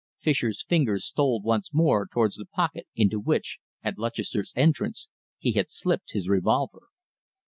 Fischer's fingers stole once more towards the pocket into which, at Lutchester's entrance, he had slipped his revolver.